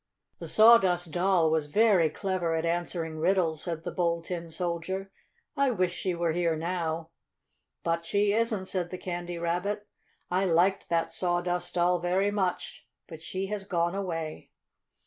"The Sawdust Doll was very clever at answering riddles," said the Bold Tin Soldier. "I wish she were here now." "But she isn't," said the Candy Rabbit. "I liked that Sawdust Doll very much, but she has gone away."